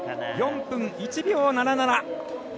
４分１秒７７。